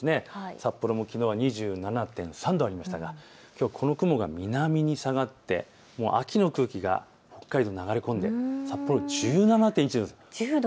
札幌もきのうは２７．３度ありましたがきょう、この雲が南に下がって秋の空気が北海道に流れ込んで札幌１７．１度です。